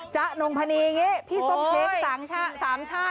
จ๊ะน้องพะนีพี่ต้องเช็ค๓ช่า